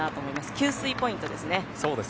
給水ポイントですね。